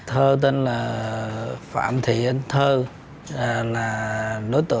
hắn đã bị cơ quan điều tra bắt giữ